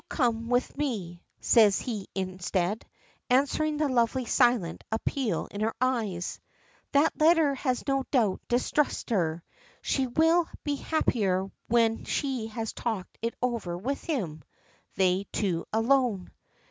"Yes, come with me," says he instead, answering the lovely silent appeal in her eyes. That letter has no doubt distressed her. She will be happier when she has talked it over with him they two alone.